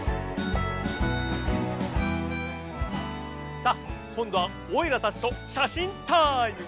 さっこんどはおいらたちとしゃしんタイム！